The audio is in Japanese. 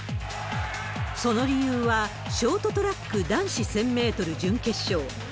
その理由は、ショートトラック男子１０００メートル準決勝。